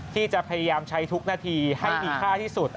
ที่จะพยายามใช้ทุกนาทีให้มีค่าที่สุด